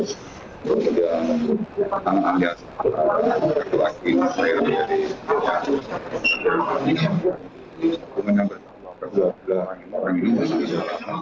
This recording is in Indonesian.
semua tanggung kata yang kampung kawah kita tidak ada masalah masalah terhadap penyelamatan